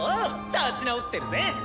立ち直ってるぜ！